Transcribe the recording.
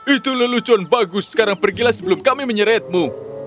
itu lelucon bagus sekarang pergilah sebelum kami menyeretmu